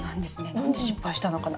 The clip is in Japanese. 何で失敗したのかな？